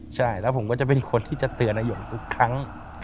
ใช่แล้วผมก็จะเป็นคนที่จะเตือนนายงทุกครั้ง